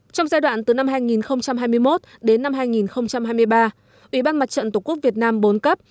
trong giai đoạn từ năm hai nghìn hai mươi một đến năm hai nghìn hai mươi ba ủy ban mặt trận tổ quốc việt nam bốn cấp